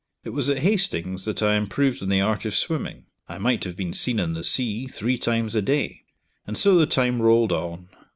It was at Hastings that I improved in the art of swimming; I might have been seen in the sea, three times a day; and so the time rolled on.